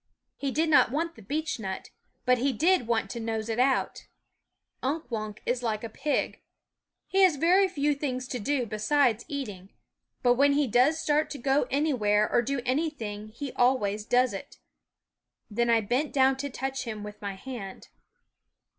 He did not want the beechnut ; but he did want to nose it out. Unk Wunk is like a pig. THE WOODS He has very few things to do besides eating ; but when he does start to go anywhere or do anything he always does it. Then I bent >*7 Lazy down to touch him with my hand.